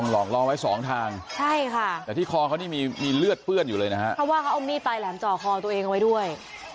หลอกล้อไว้สองทางใช่ค่ะแต่ที่คอเขานี่มีเลือดเปื้อนอยู่เลยนะฮะเพราะว่าเขาเอามีดปลายแหลมจ่อคอตัวเองเอาไว้ด้วย